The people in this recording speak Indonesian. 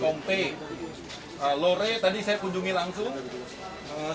dan perubahan lurie bagi bumi meraka kondisim dan ke compulsbane mobilisasi